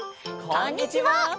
こんにちは！